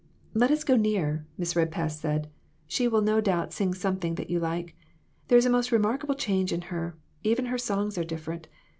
"Let us go nearer," Miss Redpath said; "she ,will no doubt sing something that you like. There is the most remarkable change in her; even her songs are different.